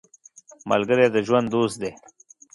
ملګری د ژوند دوست دی